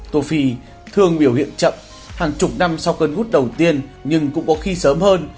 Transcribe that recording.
tô phi thường biểu hiện chậm hàng chục năm sau cơn hút đầu tiên nhưng cũng có khi sớm hơn